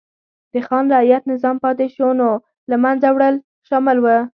د خان رعیت نظام پاتې شونو له منځه وړل شامل و.